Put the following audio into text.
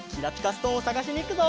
ストーンをさがしにいくぞ！